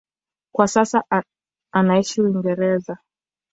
Kwa sasa anaishi Uingereza.